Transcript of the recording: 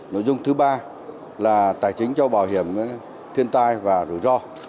nội dung thứ ba là tài chính cho bảo hiểm thiên tai và rủi ro